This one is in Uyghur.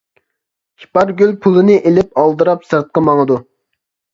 ئىپارگۈل پۇلنى ئېلىپ ئالدىراپ سىرتقا ماڭىدۇ.